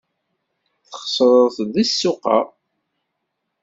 Txesreḍ deg ssuq-a.